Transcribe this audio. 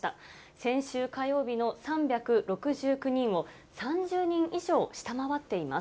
先週火曜日の３６９人を３０人以上下回っています。